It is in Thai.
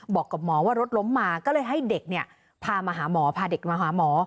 บอกกับหมอว่ารถล้มมาก็เลยให้เด็กเนี่ยพามาหาหมอพาเด็กมาหาหมอ